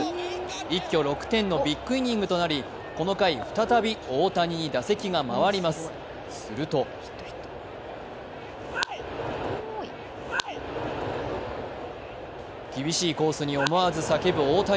一挙６点のビッグイニングとなりこの回、再び大谷に打席が回りますすると厳しいコースに思わず叫ぶ大谷。